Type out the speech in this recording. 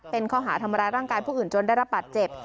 เป็นข้อหาทำร้ายร่างกายผู้อื่นจนได้รับบาดเจ็บ